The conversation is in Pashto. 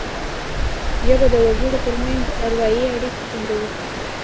ژبه د وګړو ترمنځ اروايي اړیکي ټینګوي